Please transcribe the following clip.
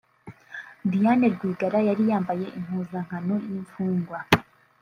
Diane Rwigara yari yambaye impuzankano y’imfungwa